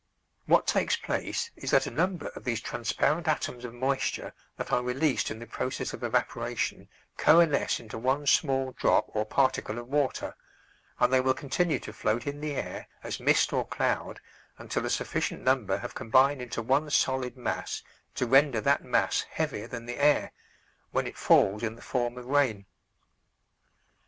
What takes place is that a number of these transparent atoms of moisture that are released in the process of evaporation coalesce into one small drop or particle of water, and they will continue to float in the air as mist or cloud until a sufficient number have combined into one solid mass to render that mass heavier than the air, when it falls in the form of rain.